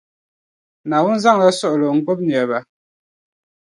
Naawuni zaŋla suɣulo n gbubi niriba.